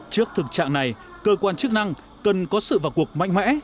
trước thực trạng này cơ quan chức năng cần có sự vào cuộc mạnh mẽ